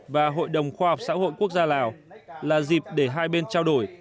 và hội đồng khoa học xã hội quốc gia lào là dịp để hai bên trao đổi